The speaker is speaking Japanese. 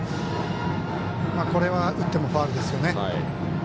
これは打ってもファウルですよね。